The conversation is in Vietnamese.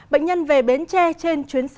bệnh nhân về bến tre trên chuyến sát